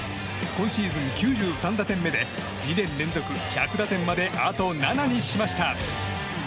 今シーズン９３打点目で２年連続１００打点まであと７にしました。